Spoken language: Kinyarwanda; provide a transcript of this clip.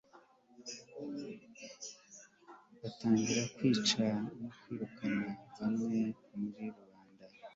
batangira kwica no kwirukana bamwe muri rubanda